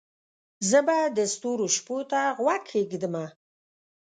زه به د ستورو شپو ته غوږ کښېږدمه